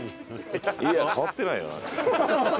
いや変わってないよ。